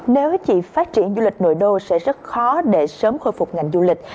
nếu chị phát triển du lịch nội đô sẽ rất khó để sớm khôi phục ngành du lịch